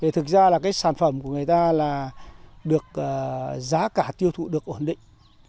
thực ra là cái sản phẩm của người ta là được giá cả tiêu thụ được ổn định